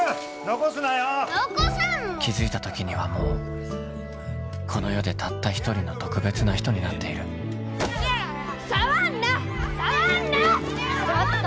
残さんもん気づいた時にはもうこの世でたった一人の特別な人になっている触んな触んな！